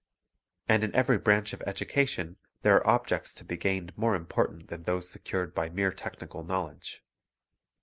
And in every branch of education there are objects Language [ De gained more important than those secured by mere technical knowledge.